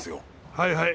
はいはい。